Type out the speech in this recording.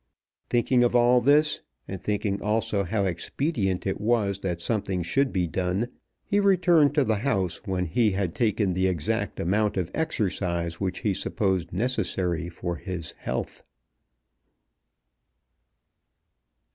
Thinking of all this, and thinking also how expedient it was that something should be done, he returned to the house when he had taken the exact amount of exercise which he supposed necessary for his health.